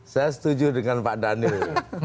saya setuju dengan pak daniel